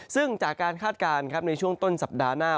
ซึ่งจากการคาดการณ์ในช่วงต้นสัปดาห์หน้า